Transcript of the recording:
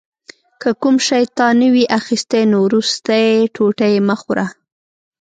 که کوم شی تا نه وي اخیستی نو وروستی ټوټه یې مه خوره.